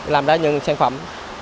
làm ra nhiều sản phẩm